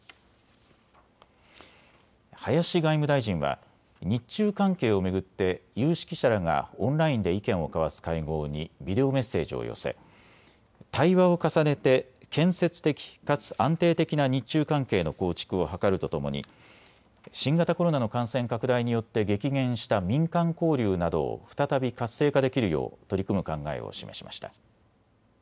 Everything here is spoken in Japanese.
林外務大臣は日中関係を巡って有識者らがオンラインで意見を交わす会合にビデオメッセージを寄せ、対話を重ねて建設的かつ安定的な日中関係の構築を図るとともに新型コロナの感染拡大によって激減した民間交流などを再び活性化できるよう取り組む考えを示しました。